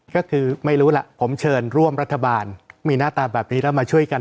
ก็คือไม่รู้ล่ะผมเชิญร่วมรัฐบาลมีหน้าตาแบบนี้แล้วมาช่วยกัน